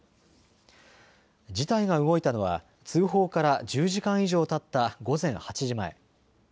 事態が動いたのは通報から１０時間以上たった午前８時前。